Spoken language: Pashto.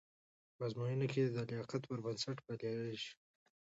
په ازموینو کې د لایقت پر بنسټ بریالي شئ.